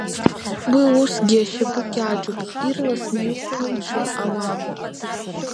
Уи усгьы ашьапы кьаҿуп, ирласны иуқәԥымҽыр ауам.